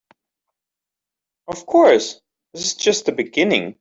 Of course, this is just the beginning.